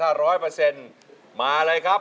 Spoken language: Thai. ถ้าร้อยเปอร์เซ็นต์มาเลยครับ